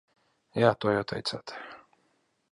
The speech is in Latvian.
Jā, to jau teicāt.